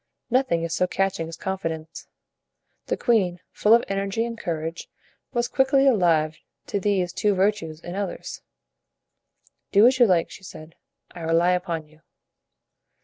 Nothing is so catching as confidence. The queen, full of energy and courage, was quickly alive to these two virtues in others. "Do as you like," she said, "I rely upon you."